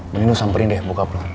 mending lo samperin deh bokap lo